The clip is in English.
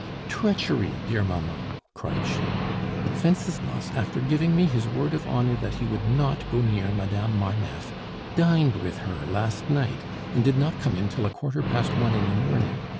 "Treachery, dear mamma!" cried she. "Wenceslas, after giving me his word of honor that he would not go near Madame Marneffe, dined with her last night, and did not come in till a quarter past one in the morning.